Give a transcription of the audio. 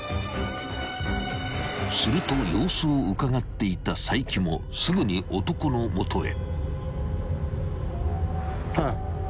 ［すると様子をうかがっていた齋木もすぐに男の元へ］